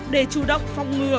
đề chủ động phong ngược